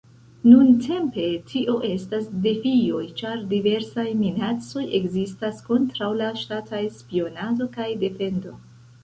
Nuntempe, tio estas defioj ĉar diversaj minacoj ekzistas kontraŭ la ŝtataj spionado kaj defendo.